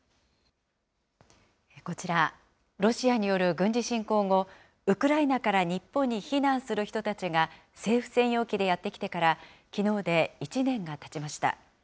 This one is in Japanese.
こちら、ロシアによる軍事侵攻後、ウクライナから日本に避難する人たちが政府専用機でやって来てからきのうで１年がたちました。